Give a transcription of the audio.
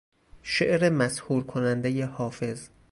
شعر مسحور کنندهی حافظ